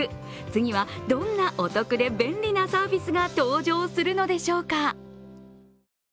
次はどんなお得で便利なサービスが登場するのでしょうか。